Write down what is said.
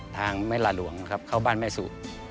ทางแม่ลาหลวงครับเข้าบ้านแม่สูตร